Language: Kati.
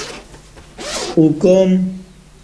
اوکام